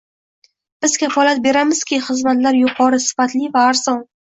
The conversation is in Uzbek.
Biz kafolat beramizki, xizmatlar yuqori sifatli va arzon